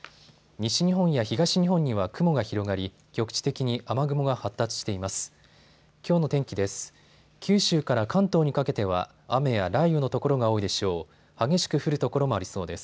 西日本や東日本には雲が広がり局地的に雨雲が発達しています。